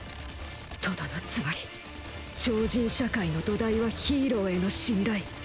とどのつまり超人社会の土台はヒーローへの信頼。